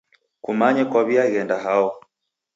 Kumanye kwaw'iaghenda hao?